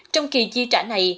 trong kỳ chi trả này